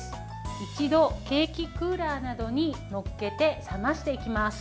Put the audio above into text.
一度、ケーキクーラーなどに載っけて冷ましていきます。